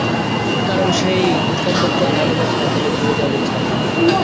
কারণ সেই কমবখত দানবের ছায়াতলে ফিরে যাওয়ার ইচ্ছা আমার নেই।